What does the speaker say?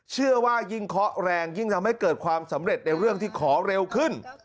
เชื่อว่ายิ่งเคาะแรงยิ่งทำให้เกิดความสำเร็จในเรื่องที่ขอเร็วขึ้น